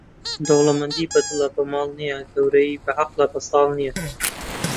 دەوڵەمەندی بەدڵە بە ماڵ نییە، گەورەیی بە عەقڵە بە ساڵ نییە.